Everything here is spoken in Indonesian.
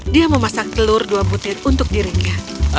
dia memasak telur dua butir untuk dirinya